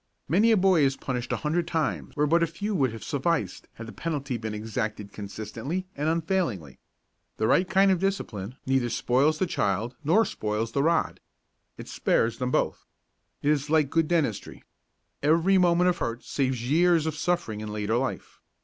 Many a boy is punished a hundred times where but a few would have sufficed had the penalty been exacted consistently and unfailingly. The right kind of discipline neither spoils the child nor spoils the rod. It spares both. It is like good dentistry. Every moment of hurt saves years of suffering in later life.